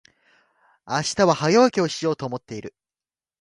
明日は早起きしようと思っている。